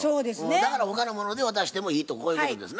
だから他のもので渡してもいいとこういうことですな。